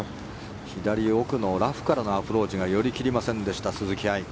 左奥のラフからのアプローチが寄り切りませんでした、鈴木愛。